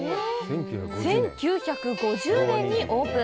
１９５０年にオープン。